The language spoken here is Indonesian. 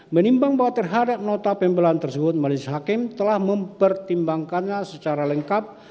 menimbang bahwa terhadap notak pembelaan tersebut maliis hakim telah mempertimbangkannya secara lengkap